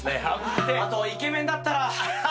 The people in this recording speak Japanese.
あとはイケメンだったら。